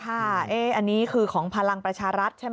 อันนี้คือของพลังประชารัฐใช่ไหม